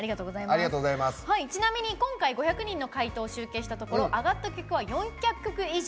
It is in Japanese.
ちなみに今回５００人の回答を集計したところ挙がった曲は４００曲以上。